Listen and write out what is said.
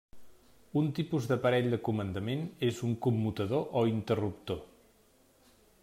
Un tipus d'aparell de comandament és un commutador o interruptor.